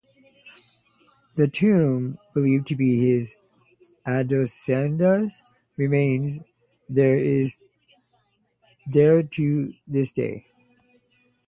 The tomb believed to be his and Adosinda's remains there to this day.